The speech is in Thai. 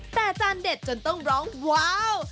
แต่จานเด็ดจนต้องร้องว้าว